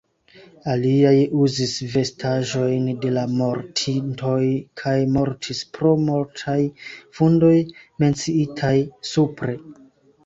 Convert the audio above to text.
Aliaj uzis vestaĵojn de la mortintoj kaj mortis pro mortaj vundoj, menciitaj supre.